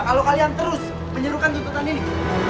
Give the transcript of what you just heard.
kalau kalian terus menyerukan tuntutan ini